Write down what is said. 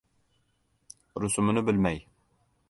Rusumini bilmay